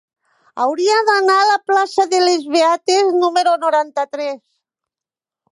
Hauria d'anar a la plaça de les Beates número noranta-tres.